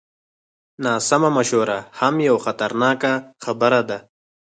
ناسمه مشوره هم یوه خطرناکه خبره ده.